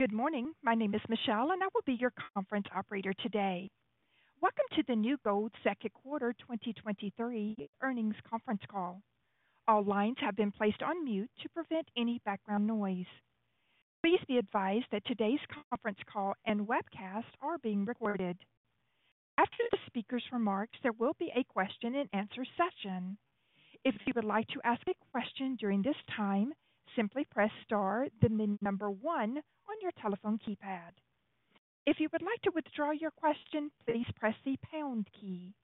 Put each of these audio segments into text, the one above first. Good morning. My name is Michelle. I will be your conference operator today. Welcome to the New Gold second quarter 2023 earnings conference call. All lines have been placed on mute to prevent any background noise. Please be advised that today's conference call and webcast are being recorded. After the speaker's remarks, there will be a question-and-answer session. If you would like to ask a question during this time, simply press star, then 1 on your telephone keypad. If you would like to withdraw your question, please press the pound key.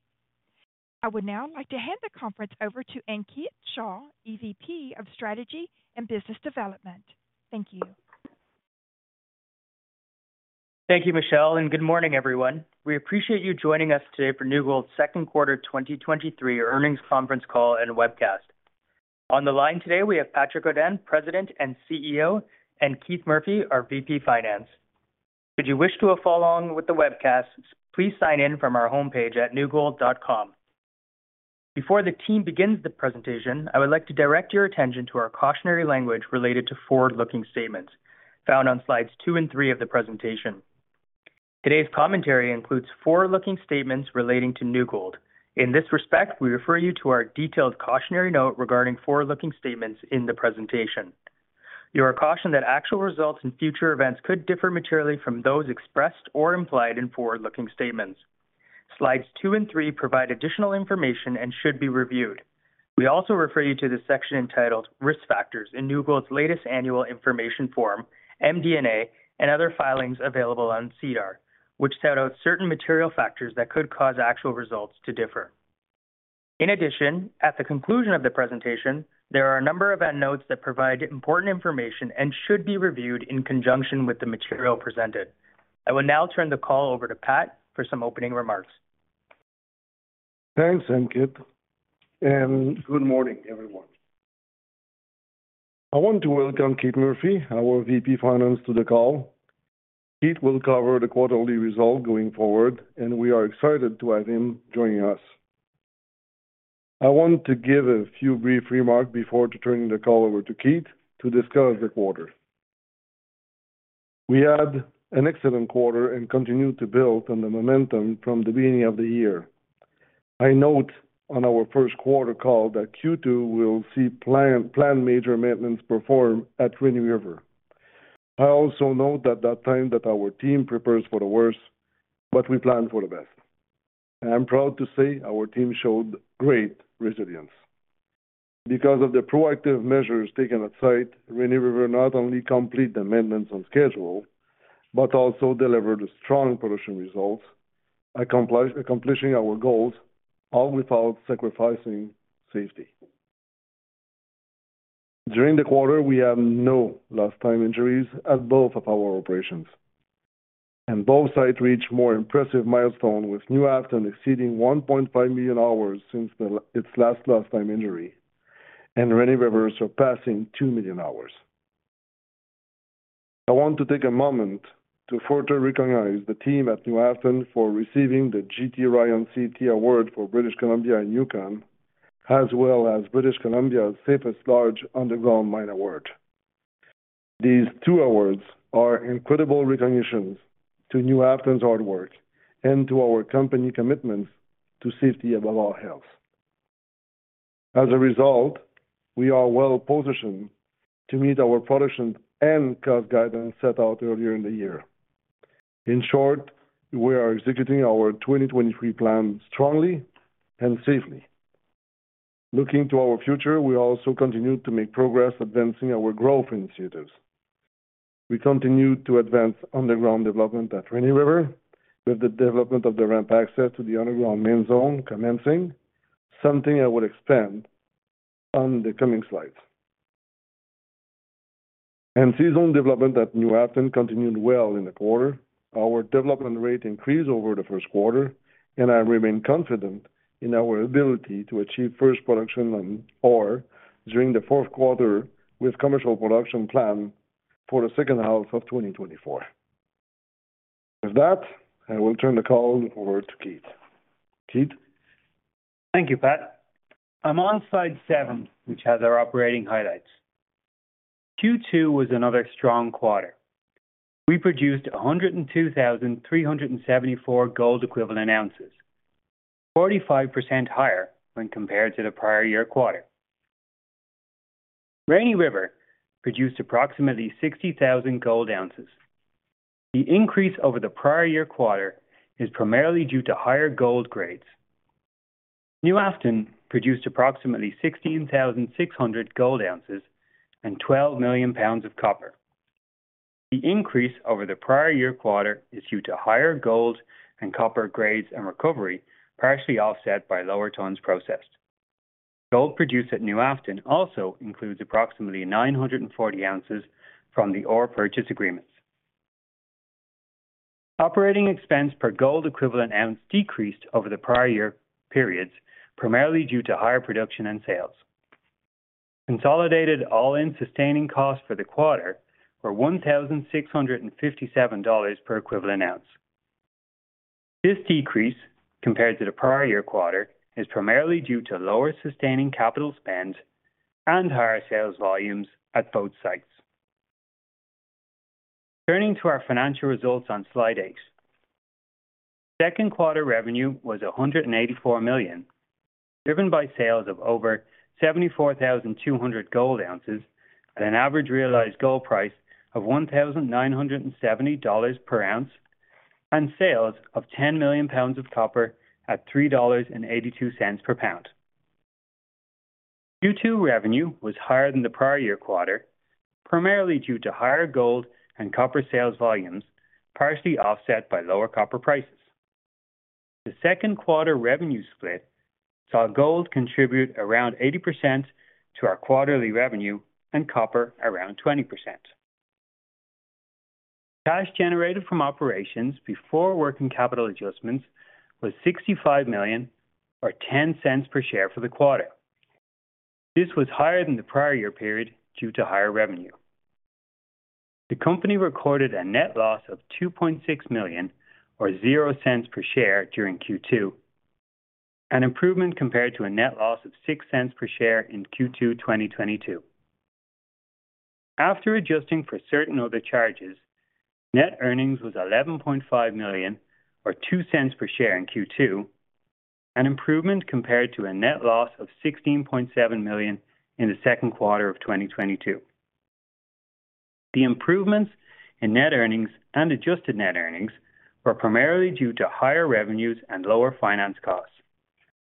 I would now like to hand the conference over to Ankit Shah, EVP of Strategy and Business Development. Thank you. Thank you, Michelle, good morning, everyone. We appreciate you joining us today for New Gold's second quarter 2023 earnings conference call and webcast. On the line today, we have Patrick Godin, President and CEO, and Keith Murphy, our VP Finance. If you wish to follow along with the webcast, please sign in from our homepage at newgold.com. Before the team begins the presentation, I would like to direct your attention to our cautionary language related to forward-looking statements found on slides two and three of the presentation. Today's commentary includes forward-looking statements relating to New Gold. In this respect, we refer you to our detailed cautionary note regarding forward-looking statements in the presentation. You are cautioned that actual results in future events could differ materially from those expressed or implied in forward-looking statements. Slides two and three provide additional information and should be reviewed. We also refer you to the section entitled Risk Factors in New Gold's latest Annual Information Form, MD&A, and other filings available on SEDAR, which set out certain material factors that could cause actual results to differ. In addition, at the conclusion of the presentation, there are a number of endnotes that provide important information and should be reviewed in conjunction with the material presented. I will now turn the call over to Pat for some opening remarks. Thanks, Ankit, and good morning, everyone. I want to welcome Keith Murphy, our VP Finance, to the call. Keith will cover the quarterly results going forward, and we are excited to have him joining us. I want to give a few brief remarks before turning the call over to Keith to discuss the quarter. We had an excellent quarter and continued to build on the momentum from the beginning of the year. I note on our first quarter call that Q2 will see planned major maintenance performed at Rainy River. I also note that time that our team prepares for the worst, but we plan for the best. I am proud to say our team showed great resilience. Because of the proactive measures taken on site, Rainy River not only complete the maintenance on schedule, but also delivered strong production results, accomplishing our goals, all without sacrificing safety. During the quarter, we had no lost time injuries at both of our operations, and both sites reached more impressive milestone, with New Afton exceeding 1.5 million hours since its last lost time injury and Rainy River surpassing 2 million hours. I want to take a moment to further recognize the team at New Afton for receiving the John T. Ryan Trophy for British Columbia and Yukon, as well as British Columbia's Safest Large Underground Mine Award. These two awards are incredible recognitions to New Afton's hard work and to our company commitments to safety above all else. As a result, we are well positioned to meet our production and cost guidance set out earlier in the year. In short, we are executing our 2023 plan strongly and safely. Looking to our future, we also continue to make progress advancing our growth initiatives. We continue to advance underground development at Rainy River with the development of the ramp access to the underground Main Zone commencing, something I would expand on the coming slides. C-Zone development at New Afton continued well in the quarter. Our development rate increased over the first quarter, and I remain confident in our ability to achieve first production on ore during the fourth quarter, with commercial production plan for the second half of 2024. With that, I will turn the call over to Keith. Keith? Thank you, Pat. I'm on slide 7, which has our operating highlights. Q2 was another strong quarter. We produced 102,374 gold equivalent ounces, 45% higher when compared to the prior year quarter. Rainy River produced approximately 60,000 gold ounces. The increase over the prior year quarter is primarily due to higher gold grades. New Afton produced approximately 16,600 gold ounces and 12 million pounds of copper. The increase over the prior year quarter is due to higher gold and copper grades, and recovery, partially offset by lower tons processed. Gold produced at New Afton also includes approximately 940 ounces from the ore purchase agreements. Operating expense per gold equivalent ounce decreased over the prior year periods, primarily due to higher production and sales. Consolidated all-in sustaining costs for the quarter were $1,657 per equivalent ounce. This decrease compared to the prior year quarter, is primarily due to lower sustaining capital spend and higher sales volumes at both sites. Turning to our financial results on slide 8. Second quarter revenue was $184 million, driven by sales of over 74,200 gold ounces at an average realized gold price of $1,970 per ounce, and sales of 10 million pounds of copper at $3.82 per pound. Q2 revenue was higher than the prior year quarter, primarily due to higher gold and copper sales volumes, partially offset by lower copper prices. The second quarter revenue split saw gold contribute around 80% to our quarterly revenue and copper around 20%. Cash generated from operations before working capital adjustments was 65 million, or 0.10 per share for the quarter. This was higher than the prior year period due to higher revenue. The company recorded a net loss of 2.6 million, or 0.00 per share during Q2, an improvement compared to a net loss of 0.06 per share in Q2 2022. After adjusting for certain other charges, net earnings was 11.5 million or 0.02 per share in Q2, an improvement compared to a net loss of 16.7 million in the second quarter of 2022. The improvements in net earnings and adjusted net earnings were primarily due to higher revenues and lower finance costs,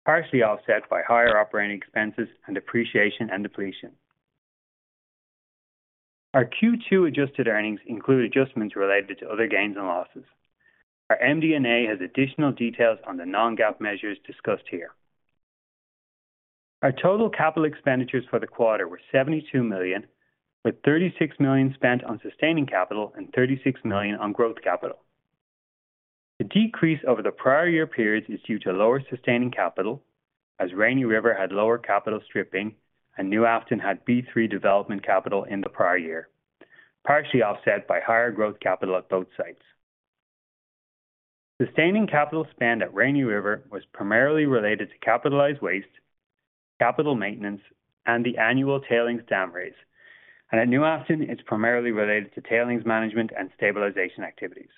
partially offset by higher operating expenses and depreciation and depletion. Our Q2 adjusted earnings include adjustments related to other gains and losses. Our MD&A has additional details on the non-GAAP measures discussed here. Our total capital expenditures for the quarter were 72 million, with 36 million spent on sustaining capital and 36 million on growth capital. The decrease over the prior year periods is due to lower sustaining capital, as Rainy River had lower capital stripping and New Afton had B3 development capital in the prior year, partially offset by higher growth capital at both sites. Sustaining capital spend at Rainy River was primarily related to capitalized waste, capital maintenance, and the annual tailings dam raise, and at New Afton, it's primarily related to tailings management and stabilization activities.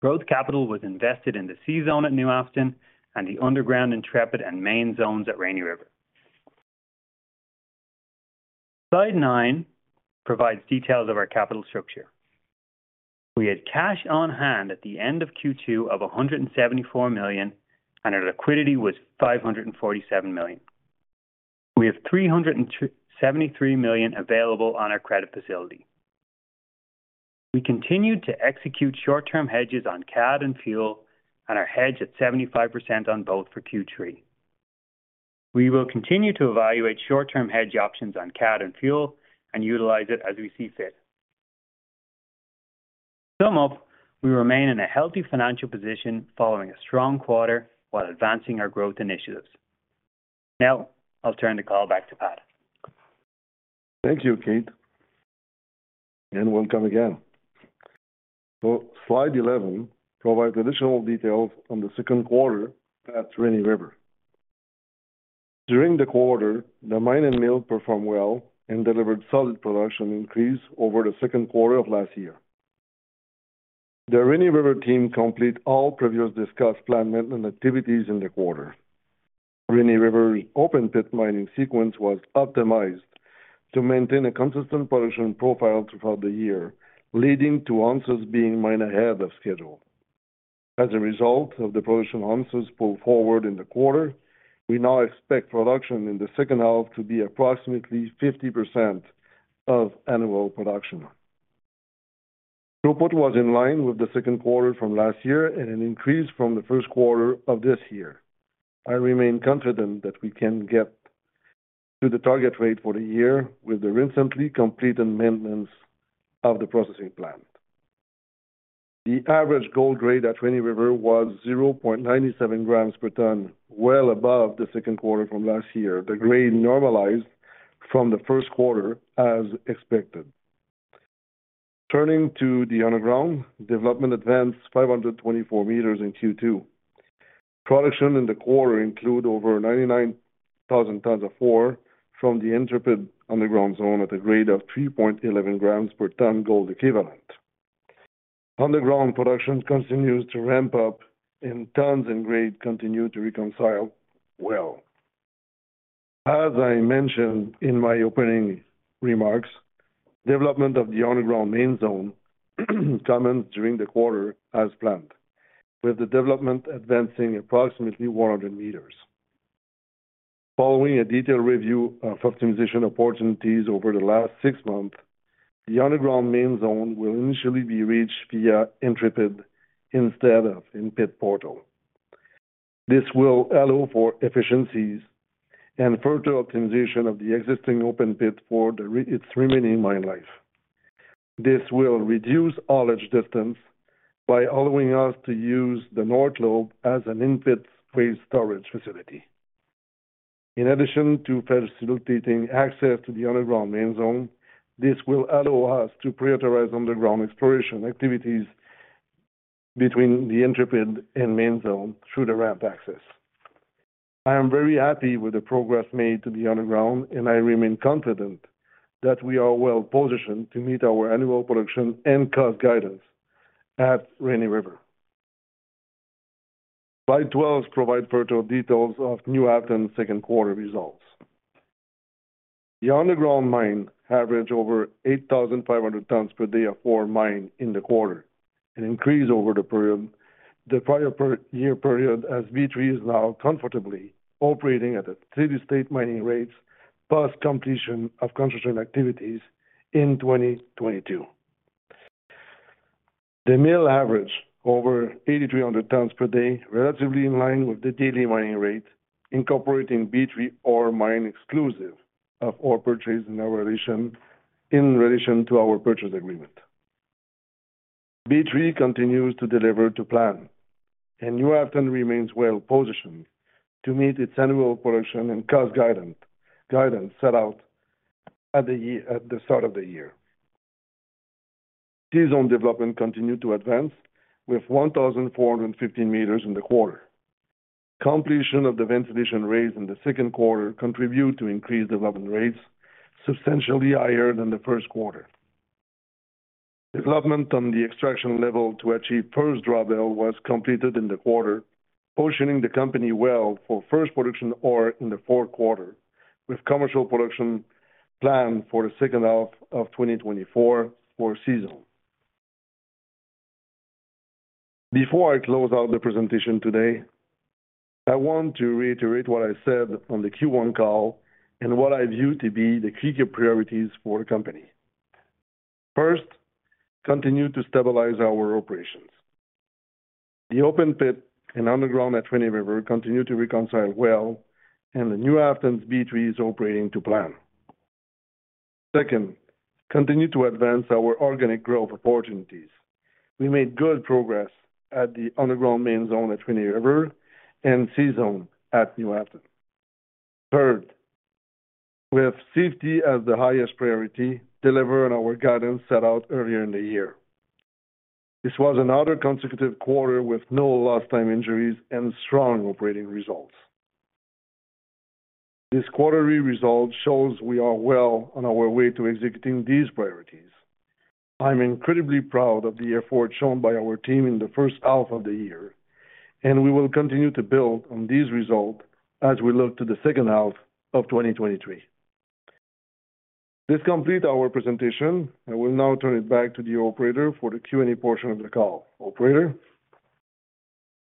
Growth capital was invested in the C-Zone at New Afton and the underground Intrepid and Main Zones at Rainy River. Slide 9 provides details of our capital structure. We had cash on hand at the end of Q2 of 174 million, and our liquidity was 547 million. We have 373 million available on our credit facility. We continued to execute short-term hedges on CAD and fuel, and are hedged at 75% on both for Q3. We will continue to evaluate short-term hedge options on CAD and fuel and utilize it as we see fit. To sum up, we remain in a healthy financial position following a strong quarter while advancing our growth initiatives. Now I'll turn the call back to Pat. Thank you, Keith, and welcome again. Slide 11 provides additional details on the second quarter at Rainy River. During the quarter, the mine and mill performed well and delivered solid production increase over the second quarter of last year. The Rainy River team completed all previously discussed plant maintenance activities in the quarter. Rainy River's open pit mining sequence was optimized to maintain a consistent production profile throughout the year, leading to ounces being mined ahead of schedule. As a result of the production ounces pulled forward in the quarter, we now expect production in the second half to be approximately 50% of annual production. Throughput was in line with the second quarter from last year and an increase from the first quarter of this year. I remain confident that we can get to the target rate for the year with the recently completed maintenance of the processing plant. The average gold grade at Rainy River was 0.97 grams per ton, well above the second quarter from last year. The grade normalized from the first quarter as expected. Turning to the underground, development advanced 524 meters in Q2. Production in the quarter include over 99,000 tons of ore from the Intrepid underground zone at a grade of 3.11 grams per ton gold equivalent. Underground production continues to ramp up in tons, and grade continue to reconcile well. As I mentioned in my opening remarks, development of the underground Main Zone commenced during the quarter as planned, with the development advancing approximately 100 meters. Following a detailed review of optimization opportunities over the last six months, the underground Main Zone will initially be reached via Intrepid instead of in-pit portal. This will allow for efficiencies and further optimization of the existing open pit for its remaining mine life. This will reduce haulage distance by allowing us to use the North Lobe as an in-pit waste storage facility. In addition to facilitating access to the underground Main Zone, this will allow us to prioritize underground exploration activities between the Intrepid and Main Zone through the ramp access. I am very happy with the progress made to the underground, and I remain confident that we are well positioned to meet our annual production and cost guidance at Rainy River. Slide 12 provides further details of New Afton' second quarter results. The underground mine averaged over 8,500 tons per day of ore mined in the quarter, an increase over the prior year period, as B3 is now comfortably operating at a steady state mining rates, plus completion of construction activities in 2022. The mill averaged over 8,300 tons per day, relatively in line with the daily mining rate, incorporating B3 ore mined exclusive of ore purchased in relation to our purchase agreement. B3 continues to deliver to plan, and New Afton remains well positioned to meet its annual production and cost guidance set out at the start of the year. C-Zone development continued to advance with 1,450 meters in the quarter. Completion of the ventilation raise in the second quarter contributed to increased development rates, substantially higher than the first quarter. Development on the extraction level to achieve first drawbell was completed in the quarter, positioning the company well for first production ore in the fourth quarter, with commercial production planned for the second half of 2024 for C-Zone. Before I close out the presentation today, I want to reiterate what I said on the Q1 call and what I view to be the key priorities for the company. First, continue to stabilize our operations. The open pit and underground at Rainy River continue to reconcile well, and the New Afton B3 is operating to plan. Second, continue to advance our organic growth opportunities. We made good progress at the underground Main Zone at Rainy River and C-Zone at New Afton. Third, with safety as the highest priority, delivering our guidance set out earlier in the year. This was another consecutive quarter with no lost time injuries and strong operating results. This quarterly result shows we are well on our way to executing these priorities. I'm incredibly proud of the effort shown by our team in the first half of the year, and we will continue to build on this result as we look to the second half of 2023. This completes our presentation. I will now turn it back to the operator for the Q&A portion of the call. Operator?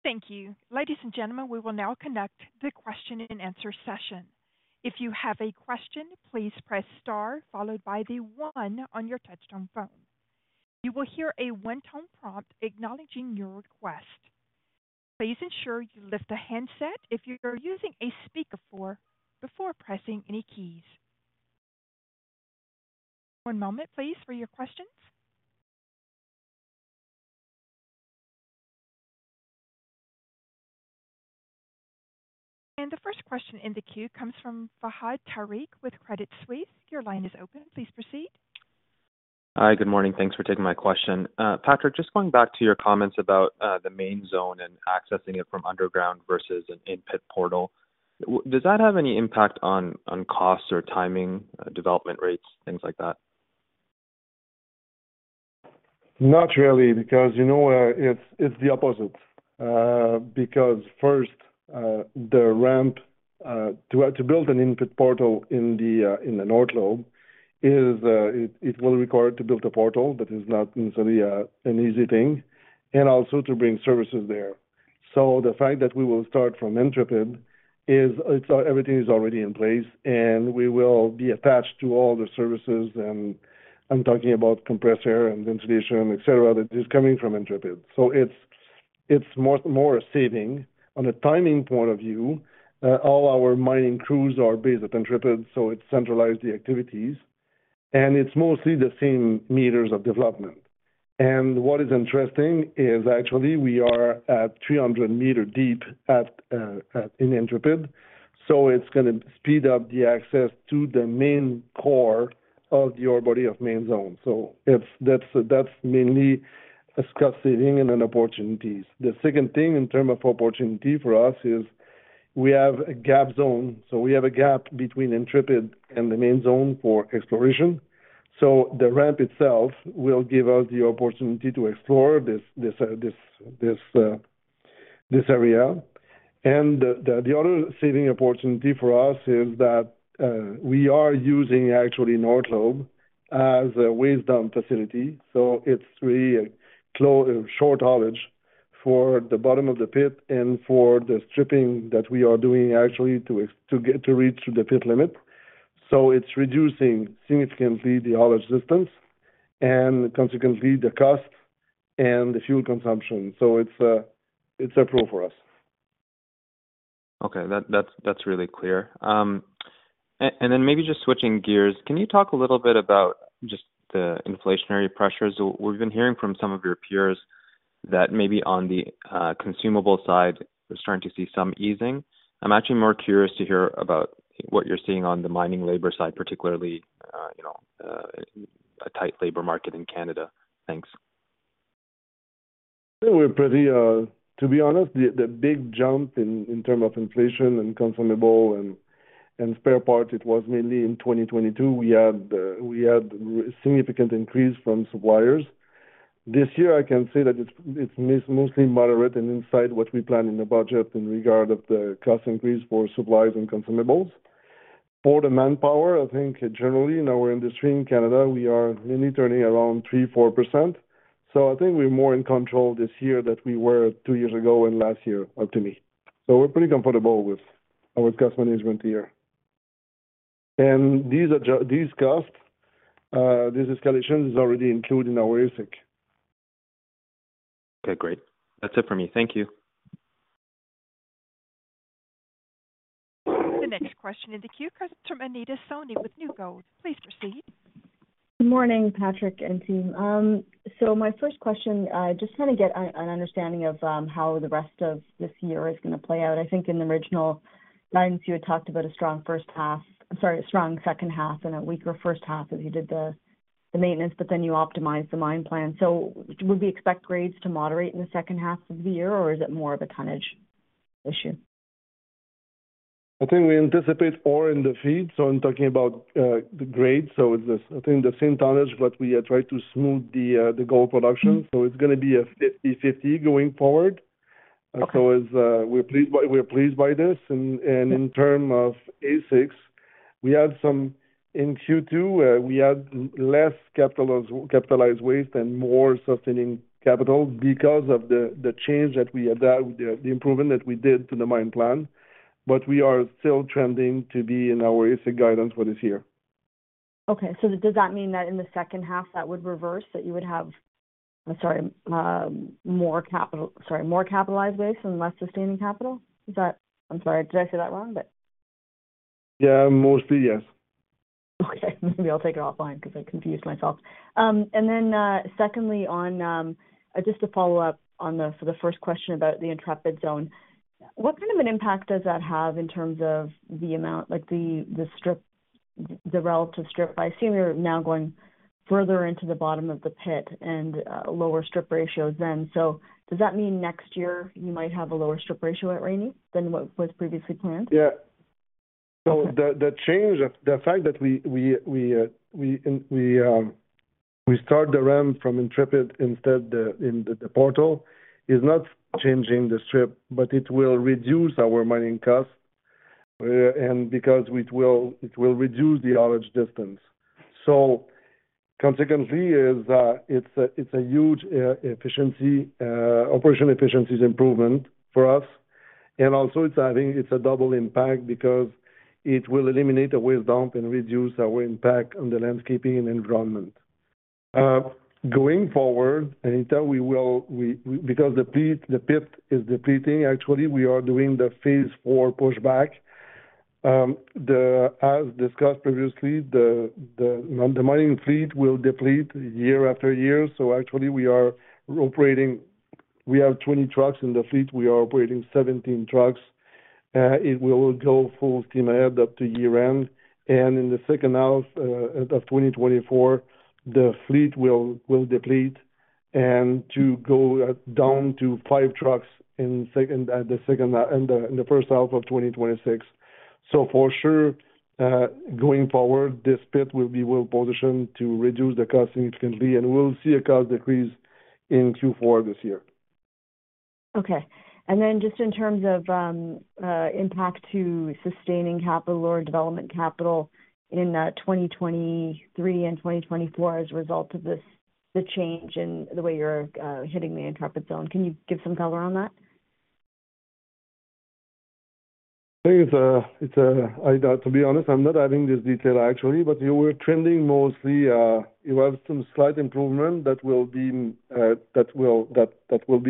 Thank you. Ladies and gentlemen, we will now conduct the question and answer session. If you have a question, please press star followed by 1 on your touchtone phone. You will hear a one-tone prompt acknowledging your request. Please ensure you lift the handset if you're using a speakerphone before pressing any keys. One moment, please, for your questions. The first question in the queue comes from Fahad Tariq with Credit Suisse. Your line is open. Please proceed. Hi, good morning. Thanks for taking my question. Patrick, just going back to your comments about the Main Zone and accessing it from underground versus an in-pit portal. Does that have any impact on costs or timing, development rates, things like that? Not really, because, you know, it's, it's the opposite. Because first, the ramp to build an in-pit portal in the North Lobe is it will require to build a portal, that is not necessarily an easy thing, and also to bring services there. The fact that we will start from Intrepid is it's, everything is already in place, and we will be attached to all the services, and I'm talking about compressor and ventilation, et cetera, that is coming from Intrepid. It's, it's more a saving. On a timing point of view, all our mining crews are based at Intrepid, so it centralize the activities, and it's mostly the same meters of development. What is interesting is actually we are at 300 meters deep at, at, in Intrepid, it's gonna speed up the access to the main core of your body of Main Zone. It's, that's mainly a cost saving and an opportunities. The second thing in term of opportunity for us is we have a Gap Zone. We have a gap between Intrepid and the Main Zone for exploration. The ramp itself will give us the opportunity to explore this area. The, the other saving opportunity for us is that we are using actually North lobe as a waste dump facility. It's really a short haulage for the bottom of the pit and for the stripping that we are doing actually to get, to reach the pit limit. It's reducing significantly the haulage distance and consequently, the cost and the fuel consumption. It's approved for us. Okay. That's really clear. Then maybe just switching gears, can you talk a little bit about just the inflationary pressures? We've been hearing from some of your peers that maybe on the consumable side, we're starting to see some easing. I'm actually more curious to hear about what you're seeing on the mining labor side, particularly, you know, a tight labor market in Canada. Thanks. We're pretty, to be honest, the big jump in term of inflation and consumable and spare parts, it was mainly in 2022. We had significant increase from suppliers. This year, I can say that it's mostly moderate and inside what we plan in the budget in regard of the cost increase for supplies and consumables. For the manpower, I think generally in our industry in Canada, we are mainly turning around 3%, 4%. I think we're more in control this year than we were two years ago and last year, up to me. We're pretty comfortable with our cost management here. These are just these costs, this escalation is already included in our AISC. Okay, great. That's it for me. Thank you. The next question in the queue comes from Anita Soni with New Gold. Please proceed. Good morning, Patrick and team. My first question, just want to get an understanding of how the rest of this year is going to play out. I think in the original guidance, you had talked about a strong 1st half, I'm sorry, a strong second half and a weaker 1st half as you did the maintenance, but then you optimized the mine plan. Would we expect grades to moderate in the second half of the year, or is it more of a tonnage issue? I think we anticipate more in the feed, so I'm talking about the grade. It's, I think, the same tonnage, but we try to smooth the gold production, so it's going to be a 50/50 going forward. Okay. We're pleased by this. In term of AISC, we have some. In Q2, we had less capitalized waste and more sustaining capital because of the change that we adapt, the improvement that we did to the mine plan. We are still trending to be in our AISC guidance for this year. Okay. Does that mean that in the second half, that would reverse, that you would have, I'm sorry, more capitalized waste and less sustaining capital? I'm sorry, did I say that wrong? Yeah, mostly, yes. Okay, maybe I'll take it offline because I confused myself. Secondly, on, just to follow up on the first question about the Intrepid zone, what kind of an impact does that have in terms of the amount, like the, the strip, the relative strip? I assume you're now going further into the bottom of the pit and lower strip ratios then. Does that mean next year you might have a lower strip ratio at Rainy than what was previously planned? The change, the fact that we start the RAM from Intrepid instead, in the portal, is not changing the strip, but it will reduce our mining costs, and because it will reduce the average distance. Consequently, it's a huge efficiency, operational efficiencies improvement for us. Also, it's, I think it's a double impact because it will eliminate the waste dump and reduce our impact on the landscaping and environment. Going forward, Anita, we will, because the pit is depleting, actually, we are doing the phase four pushback. As discussed previously, the mining fleet will deplete year after year. Actually, we are operating, we have 20 trucks in the fleet, we are operating 17 trucks. It will go full steam ahead up to year-end. In the second half of 2024, the fleet will deplete, and to go down to 5 trucks in the first half of 2026. For sure, going forward, this pit will be well positioned to reduce the cost significantly, and we'll see a cost decrease in Q4 this year. Okay. Just in terms of impact to sustaining capital or development capital in 2023 and 2024 as a result of this, the change in the way you're hitting the Intrepid zone, can you give some color on that? I think it's to be honest, I'm not having this detail actually, but you were trending mostly, you have some slight improvement that will be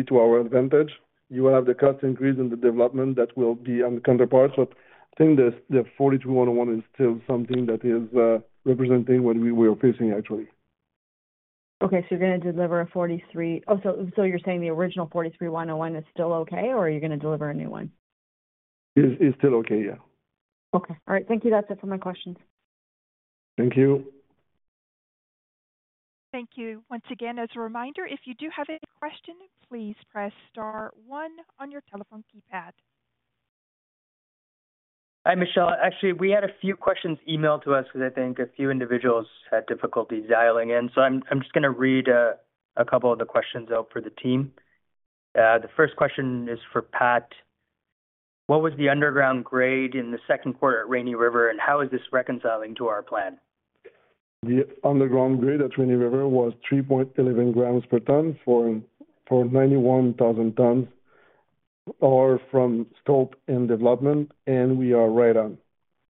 to our advantage. You will have the cost increase in the development that will be on the counterparts, but I think the NI 43-101 is still something that is representing what we were facing, actually. Okay, you're going to deliver... Oh, you're saying the original 43-101 is still okay, or are you going to deliver a new one? It's still okay, yeah. Okay. All right. Thank you. That's it for my questions. Thank you. Thank you. Once again, as a reminder, if you do have any question, please press star one on your telephone keypad. Hi, Michelle. Actually, we had a few questions emailed to us because I think a few individuals had difficulty dialing in. I'm just going to read a couple of the questions out for the team. The first question is for Pat. What was the underground grade in the second quarter at Rainy River, and how is this reconciling to our plan? The underground grade at Rainy River was 3.11 grams per ton for 91,000 ton, or from scope and development. We are right on.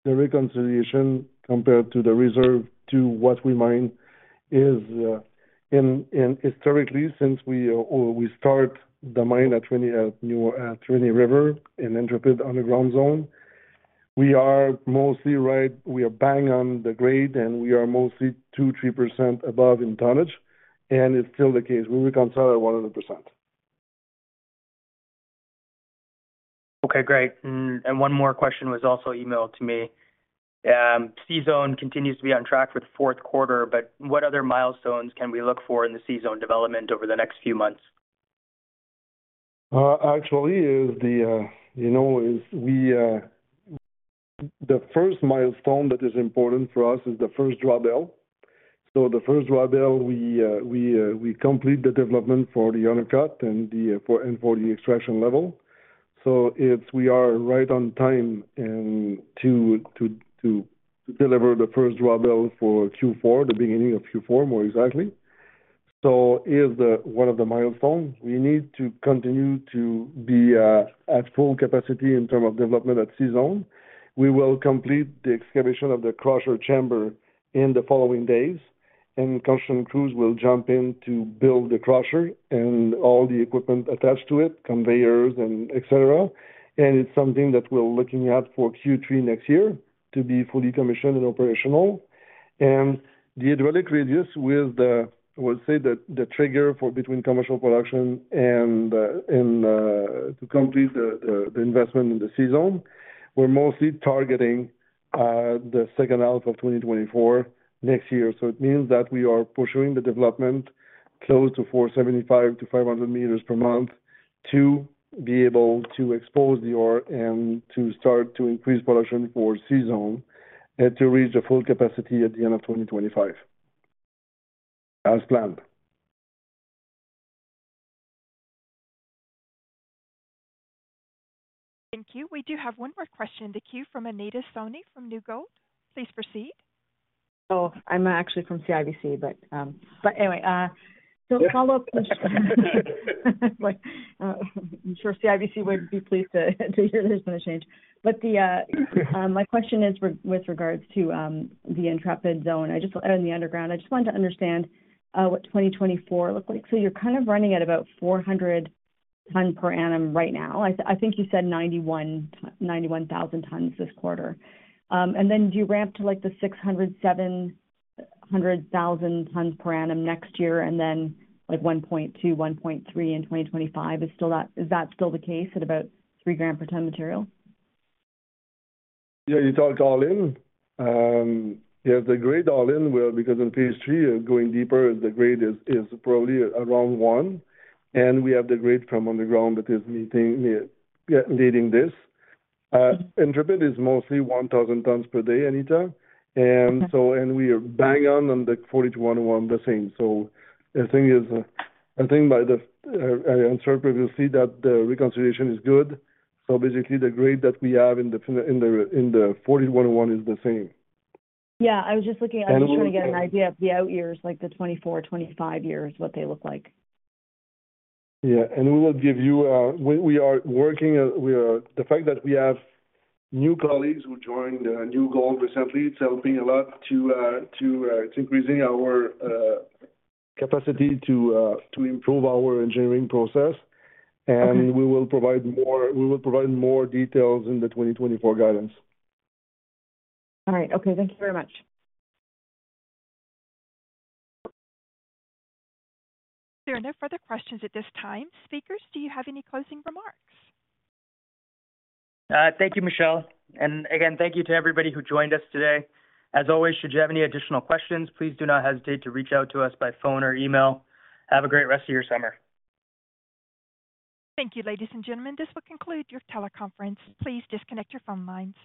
The reconciliation compared to the reserve to what we mine is historically, since we start the mine at Rainy River in Intrepid underground zone. We are mostly right. We are bang on the grade, we are mostly 2, 3% above in tonnage. It's still the case. We reconcile it 100%. Okay, great. And one more question was also emailed to me. C-Zone continues to be on track for the fourth quarter. What other milestones can we look for in the C-Zone development over the next few months? Actually, you know, the first milestone that is important for us is the first drawbell. The first drawbell, we complete the development for the undercut and for the extraction level. We are right on time and to deliver the first drawbell for Q4, the beginning of Q4, more exactly. One of the milestones. We need to continue to be at full capacity in term of development at C-Zone. We will complete the excavation of the crusher chamber in the following days, and construction crews will jump in to build the crusher and all the equipment attached to it, conveyors and etc. It's something that we're looking at for Q3 next year to be fully commissioned and operational. The hydraulic radius with the, we'll say, the trigger for between commercial production and to complete the investment in the C-Zone, we're mostly targeting the second half of 2024 next year. It means that we are pursuing the development close to 475-500 meters per month to be able to expose the ore and to start to increase production for C-Zone, and to reach the full capacity at the end of 2025, as planned. Thank you. We do have one more question in the queue from Anita Soni from New Gold. Please proceed. Oh, I'm actually from CIBC, but anyway, follow-up. I'm sure CIBC would be pleased to hear there's been a change. My question is with regards to the Intrepid Zone and the underground. I just wanted to understand what 2024 looked like. You're kind of running at about 400 tons per annum right now. I think you said 91,000 tons this quarter. Do you ramp to the 600,000-700,000 tons per annum next year, 1.2-1.3 in 2025? Is that still the case at about 3 grams per ton material? Yeah, you talk all in. Yeah, the grade all in will, because in phase three, going deeper, the grade is probably around one, and we have the grade from underground, that is meeting, yeah, leading this. Intrepid is mostly 1,000 tons per day, Anita. Okay. We are bang on, on the 40101 the same. The thing is, I think by the Intrepid, we'll see that the reconciliation is good. Basically, the grade that we have in the, in the, in the 40101 is the same. Yeah, I was just looking. And- I was trying to get an idea of the out years, like the 2024, 2025 years, what they look like. Yeah. We will give you, we are working. The fact that we have new colleagues who joined New Gold recently, it's helping a lot to increasing our capacity to improve our engineering process. Okay. We will provide more details in the 2024 guidance. All right. Okay, thank you very much. There are no further questions at this time. Speakers, do you have any closing remarks? Thank you, Michelle. Again, thank you to everybody who joined us today. As always, should you have any additional questions, please do not hesitate to reach out to us by phone or email. Have a great rest of your summer. Thank you, ladies and gentlemen. This will conclude your teleconference. Please disconnect your phone lines.